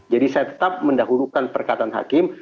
jadi saya tetap mendahulukan perkataan hakim